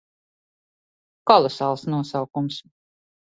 Kolosāls nosaukums.